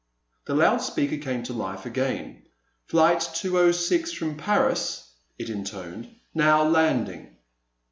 The loud speaker came to life again. "Flight two oh six, from Paris," it intoned, "now landing."